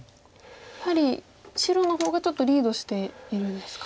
やはり白の方がちょっとリードしているんですか。